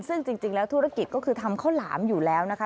ซึ่งจริงแล้วธุรกิจก็คือทำข้าวหลามอยู่แล้วนะคะ